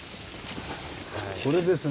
これですね。